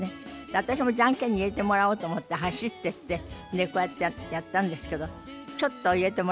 私もジャンケンに入れてもらおうと思って走ってってこうやってやったんですけどちょっと入れてもらえなくて。